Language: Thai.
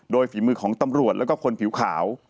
โดยฝีมือของตำรวจแล้วก็คนผิวขาว